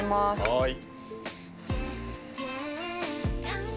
はい。